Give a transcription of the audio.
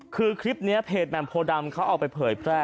คือคลิปนี้เพจแหม่มโพดำเขาเอาไปเผยแพร่